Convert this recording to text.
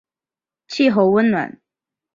气候温暖。